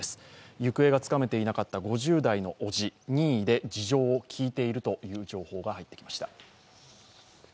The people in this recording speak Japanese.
行方でつかめていなかった５０代の伯父、任意で事情を聴いているという情報が入ってきました。